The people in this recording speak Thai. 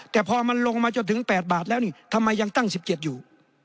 แต่พอมันลงมาจนถึง๘บาทแล้วนี่ทำไมยังตั้ง๑๗อยู่